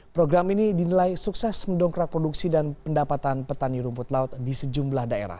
program ini dinilai sukses mendongkrak produksi dan pendapatan petani rumput laut di sejumlah daerah